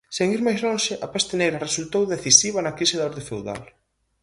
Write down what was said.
Sen ir máis lonxe, a peste negra resultou decisiva na crise da orde feudal.